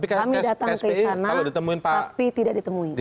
kami datang ke sana tapi tidak ditemui